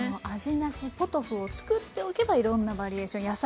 味なしポトフを作っておけばいろんなバリエーション